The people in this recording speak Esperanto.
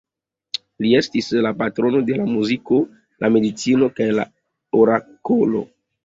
Li estis la patrono de la muziko, la medicino, kaj la orakolo.